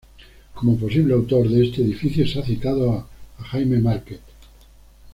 Como posible autor de este edificio se ha citado a Jaime Marquet.